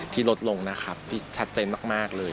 ลดลงนะครับที่ชัดเจนมากเลย